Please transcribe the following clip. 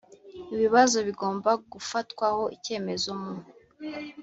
ibibazo bigomba gufatwaho icyemezo mu